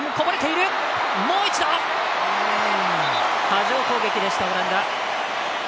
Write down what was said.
波状攻撃でしたオランダ。